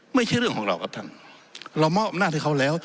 ไม่ใช่เรื่องของเรากับท่านเราเหมาะอบนาฬิกาเขาแล้ว